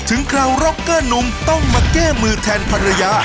คราวร็อกเกอร์หนุ่มต้องมาแก้มือแทนภรรยา